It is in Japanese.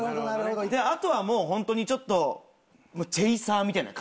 であとはもうホントにちょっとチェイサーみたいな感じです。